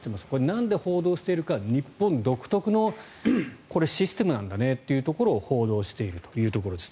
なんで報道しているか日本独特のシステムなんだねというところを報道しているというところです。